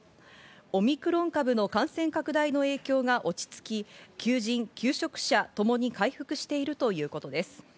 オミクロン株の感染拡大の影響が落ち着き、求人、求職者ともに回復しているということです。